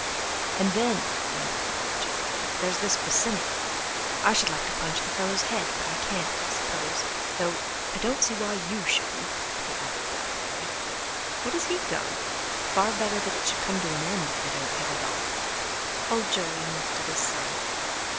"And then," went on old Jolyon, "there's this Bosinney. I should like to punch the fellow's head, but I can't, I suppose, though—I don't see why you shouldn't," he added doubtfully. "What has he done? Far better that it should come to an end, if they don't hit it off!" Old Jolyon looked at his son.